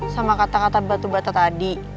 sama kata kata batu batu tadi